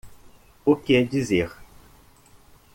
O que dizer